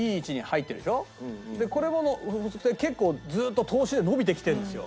でこれも結構ずーっと通しで伸びてきてるんですよ。